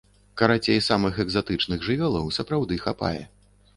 Карацей, самых экзатычных жывёлаў сапраўды хапае.